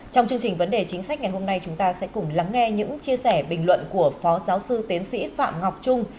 trong chương trình vấn đề chính sách ngày hôm nay chúng ta sẽ cùng lắng nghe những chia sẻ bình luận của phó giáo sư tiến sĩ phạm ngọc trung